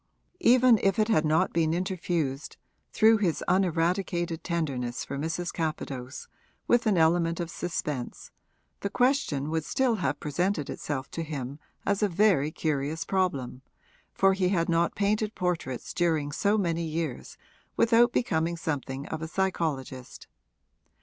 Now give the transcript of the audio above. Even if it had not been interfused, through his uneradicated tenderness for Mrs. Capadose, with an element of suspense, the question would still have presented itself to him as a very curious problem, for he had not painted portraits during so many years without becoming something of a psychologist.